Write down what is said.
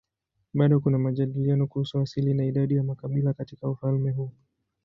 Bado kuna majadiliano kuhusu asili na idadi ya makabila katika ufalme huu.